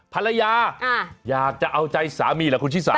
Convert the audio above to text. ภรรยาอยากจะเอาใจสามีเหรอคุณชิสา